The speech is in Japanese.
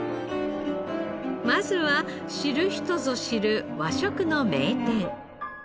まずは知る人ぞ知る和食の名店。